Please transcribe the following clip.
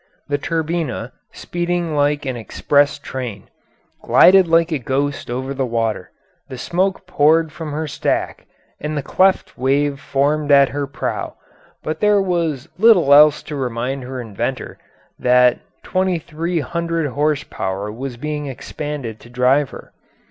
The Turbina, speeding like an express train, glided like a ghost over the water; the smoke poured from her stack and the cleft wave foamed at her prow, but there was little else to remind her inventor that 2,300 horse power was being expended to drive her.